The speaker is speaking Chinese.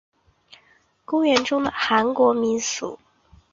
公园中的韩国民俗村是受欢迎的景点。